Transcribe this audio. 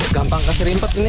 gampang kasih rimpet ini